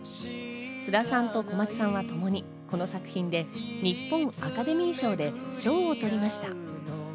菅田さんと小松さんはともにこの作品で日本アカデミー賞で賞を取りました。